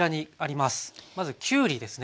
まずきゅうりですね。